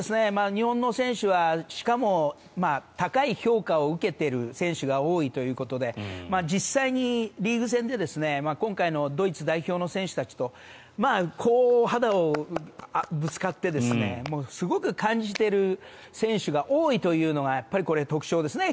日本の選手はしかも高い評価を受けている選手が多いということで実際にリーグ戦で今回のドイツ代表の選手たちと肌をぶつかってすごく感じている選手が多いというのがやっぱり特徴ですね